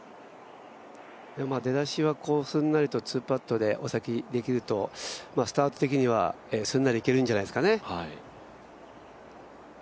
でも出だしはすんなりと２パットでできるとスタート的にはすんなりいけるんじゃないですかね。